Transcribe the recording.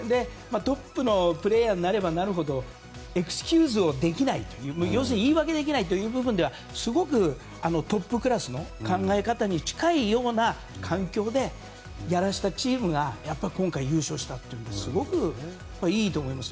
トップのプレーヤーになればなるほどエクスキューズできない要するに言い訳できないという部分ではすごくトップクラスの考え方に近いような環境でやらせたチームが今回、優勝したというのですごくいいと思います。